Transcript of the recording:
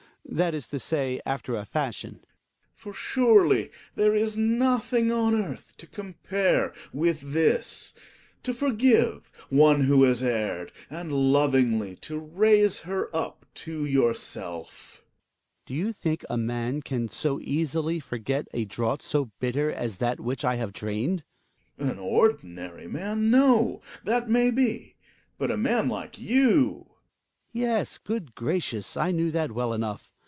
That is to say, after a fashion. Gregers. For surely there is nothing on earth to compare with this, to forgive one who has erred, and lovingly to raise her up to yourself. Hjalmar. Do you think a man can so easily forget a draught so bitter as that which I have drained. Gregers. An ordinary man, no; that may be. But a man like you ! Hjalmar. Yes. Good gracious, I knew that well enough.